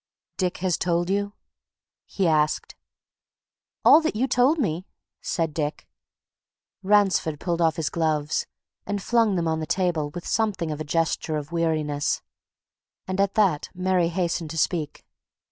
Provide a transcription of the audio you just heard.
"Dick has told you?" he asked. "All that you told me," said Dick. Ransford pulled off his gloves and flung them on the table with something of a gesture of weariness. And at that Mary hastened to speak.